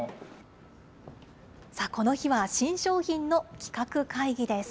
この日は新商品の企画会議です。